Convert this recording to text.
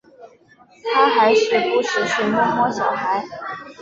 他还是不时去摸摸小孩